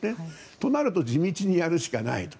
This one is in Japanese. となると地道にやるしかないと。